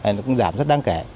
nó cũng giảm rất đáng kể